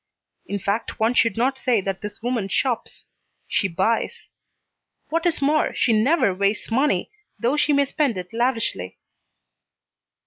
In fact one should not say that this woman shops; she buys. What is more, she never wastes money, though she may spend it lavishly.